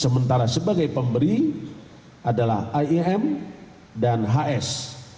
sementara sebagai pemberi adalah iem dan hs